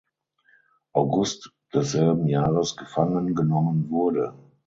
August desselben Jahres gefangen genommen wurde.